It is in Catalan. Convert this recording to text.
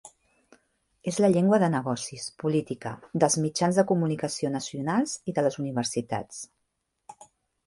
És la llengua de negocis, política, dels mitjans de comunicació nacionals i de les universitats.